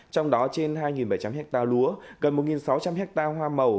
trong đó trên hai bảy trăm linh hectare lúa gần một sáu trăm linh ha hoa màu